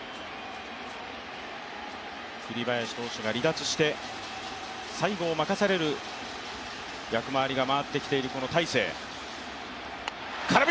栗林投手が離脱して最後を任される役回りが待ってきている大勢。